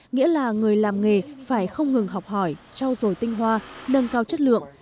nghĩa là người làm nghề phải không ngừng học hỏi trao dồi tinh hoa nâng cao chất lượng